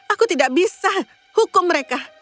aku tidak bisa hukum mereka